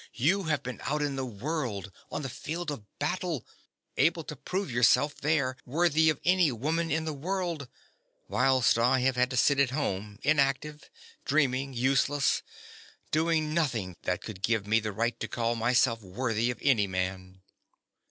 You have been out in the world, on the field of battle, able to prove yourself there worthy of any woman in the world; whilst I have had to sit at home inactive,—dreaming—useless—doing nothing that could give me the right to call myself worthy of any man.